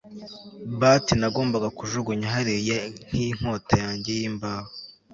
butt nagombaga kujugunya hariya, nkinkota yanjye yimbaho